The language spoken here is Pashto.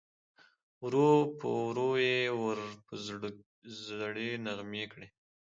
ورو په ورو یې ور په زړه زړې نغمې کړې